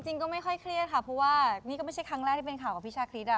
ก็ไม่ค่อยเครียดค่ะเพราะว่านี่ก็ไม่ใช่ครั้งแรกที่เป็นข่าวกับพี่ชาคริส